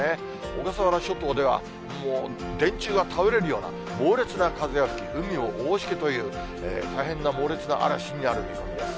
小笠原諸島では、もう電柱が倒れるような、猛烈な風が吹き、海も大しけという、大変な猛烈な嵐になる見込みです。